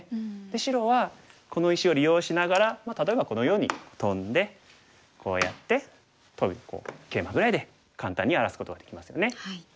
で白はこの石を利用しながら例えばこのようにトンでこうやってトビにケイマぐらいで簡単に荒らすことができますよね。